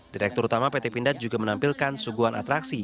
direktur utama pt pindad juga menampilkan suguhan atraksi